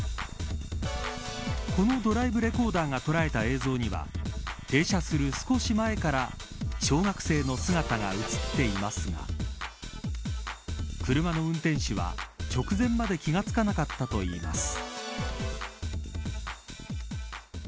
このドライブレコーダーが捉えた映像には停車する少し前から小学生の姿が映っていますが車の運転手は直前まで気が付かなかったといいます。